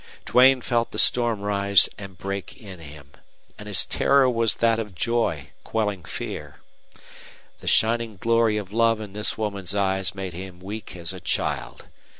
Duane felt the storm rise and break in him. And his terror was that of joy quelling fear. The shining glory of love in this woman's eyes made him weak as a child.